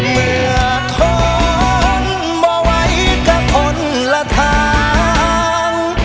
เมื่อท้อนบ่ไว้กับคนละทาง